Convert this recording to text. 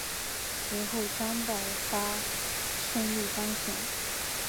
随后张百发顺利当选。